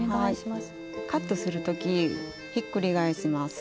カットする時ひっくり返します。